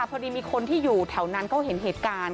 พอดีมีคนที่อยู่แถวนั้นเขาเห็นเหตุการณ์